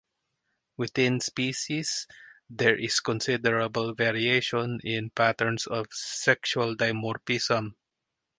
Within species there is considerable variation in patterns of sexual dimorphism.